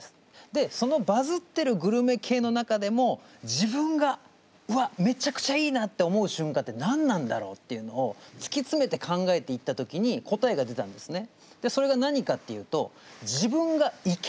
でそのバズってるグルメ系の中でも自分が「わっめちゃくちゃいいな」と思う瞬間って何なんだろうっていうのをつきつめて考えていった時に答えが出たんですね。